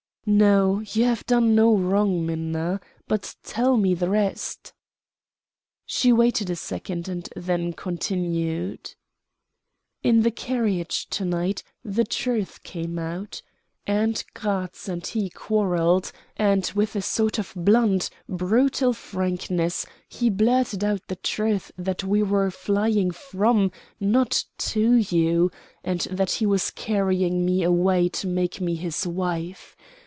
"No, you have done no wrong, Minna; but tell me the rest." She waited a second, and then continued: "In the carriage, to night, the truth came out. Aunt Gratz and he quarrelled, and with a sort of blunt, brutal frankness he blurted out the truth that we were flying from, not to, you, and that he was carrying me away to make me his wife.